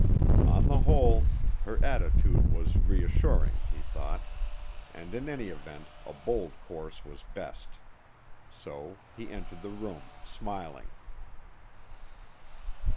On the whole, her attitude was reassuring, he thought, and in any event a bold course was best. So he entered the room, smiling.